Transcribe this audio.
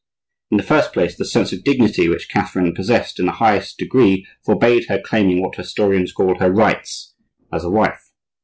In the first place, the sense of dignity which Catherine possessed in the highest degree forbade her claiming what historians call her rights as a wife.